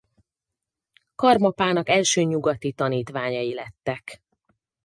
Karmapának első nyugati tanítványai lettek.